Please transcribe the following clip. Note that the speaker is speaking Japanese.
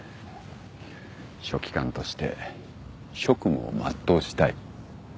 書記官として職務を全うしたい。